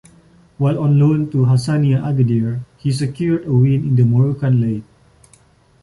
While on loan to Hassania Agadir, he secured a win in the Moroccan League.